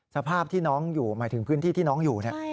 สภาพที่น้องอยู่หมายถึงพื้นที่ที่น้องอยู่เนี่ย